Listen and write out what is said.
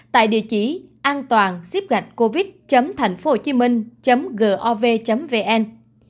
tại địa chỉ antoàn covid thf gov vn